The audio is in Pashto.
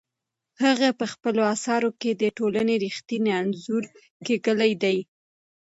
هغه په خپلو اثارو کې د ټولنې رښتینی انځور کښلی دی.